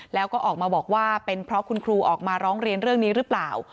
แล้วก็ออกมาบอกว่าเป็นเพราะคุณครูออกมาร้องเรียนเรื่องนี้หรือเปล่า